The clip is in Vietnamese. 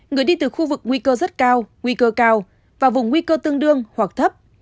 người đi từ khu vực nguy cơ rất cao nguy cơ cao và vùng nguy cơ tương đương hoặc thấp